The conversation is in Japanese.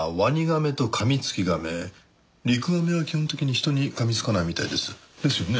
リクガメは基本的に人に噛み付かないみたいです。ですよね？